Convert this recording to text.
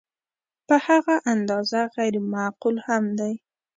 په هغه اندازه غیر معقول هم دی.